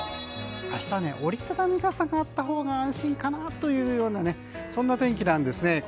明日は折り畳み傘があったほうが安心かなというようなそんな天気なんですね。